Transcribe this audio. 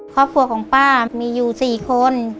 ครอบครัวของป้ามีอยู่๔คน